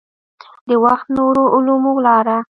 د وخت نورو علومو لاره.